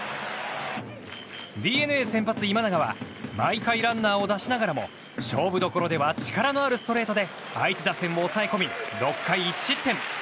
ＤｅＮＡ先発、今永は毎回ランナーを出しながらも勝負どころでは力のあるストレートで相手打線を抑え込み６回１失点。